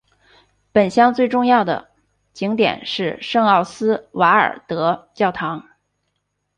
本乡最重要的景点是圣奥斯瓦尔德教堂。